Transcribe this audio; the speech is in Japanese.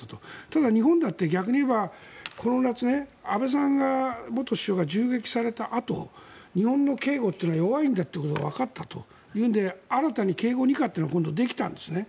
ただ、日本だって逆に言えばこの夏、安倍元首相が銃撃されたあと日本の警護というのは弱いんだということがわかったというので新たに警護２課というのが今度できたんですね。